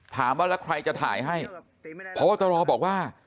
ถามว่าแล้วใครจะถ่ายให้เพราะว่าตรอบอกว่า